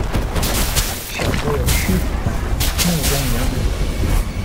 小腭须斧状，末端圆弧。